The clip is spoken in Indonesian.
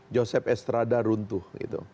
joseph estrada runtuh